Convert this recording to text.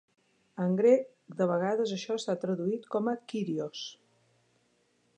En grec, de vegades això s'ha traduït com a "Kyrios".